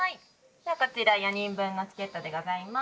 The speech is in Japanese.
ではこちら４人分のチケットでございます。